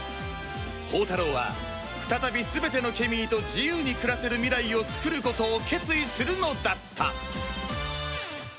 宝太郎は再び全てのケミーと自由に暮らせる未来を作ることを決意するのだった